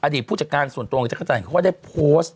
ผู้จัดการส่วนตัวของจักรจันทร์เขาก็ได้โพสต์